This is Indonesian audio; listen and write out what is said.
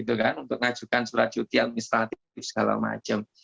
untuk mengajukan surat cuti administratif segala macam